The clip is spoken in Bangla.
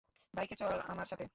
বাইকে চড় আমার সাথে!